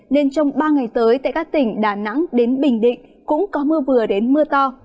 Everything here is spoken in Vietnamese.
nên trong ba ngày tới tại các tỉnh đà nẵng đến bình định cũng có mưa vừa đến mưa to